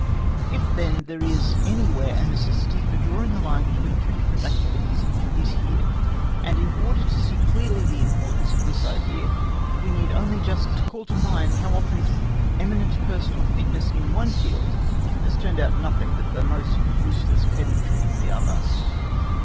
If, then, there is anywhere a necessity for drawing a line between two different activities, it is here; and in order to see clearly the importance of this idea, we need only just to call to mind how often eminent personal fitness in one field has turned out nothing but the most useless pedantry in the other.